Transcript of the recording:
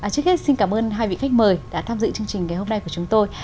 trước hết xin cảm ơn hai vị khách mời đã tham dự chương trình ngày hôm nay của chúng tôi